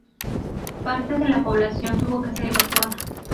Parte de la población tuvo que ser evacuada.